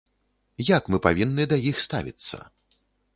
Як мы павінны да іх ставіцца?